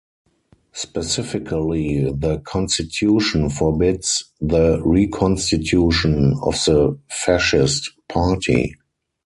Specifically, the constitution forbids the reconstitution of the fascist party.